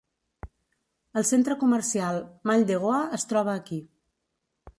El centre comercial Mall De Goa es troba aquí.